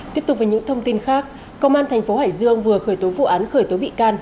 tiếp tục với những thông tin khác công an thành phố hải dương vừa khởi tố vụ án khởi tố bị can